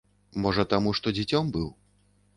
Можа, таму, што дзіцём быў.